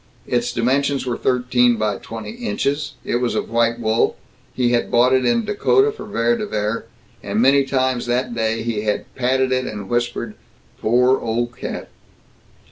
Its dimensions were thirteen by twenty inches, it was of white wool, he had bought it in Dakota for Vere de Vere, and many times that day he had patted it and whispered, "Poor old cat."